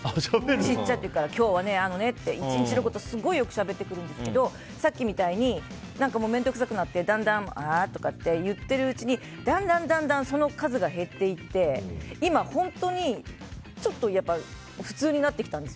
ちっちゃい時から今日はね、あのねってよくしゃべってくるんですけどさっきみたいに何か面倒くさくなってだんだんあ？とか言ってるうちにだんだんその数が減っていって今、本当にちょっと普通になってきたんです。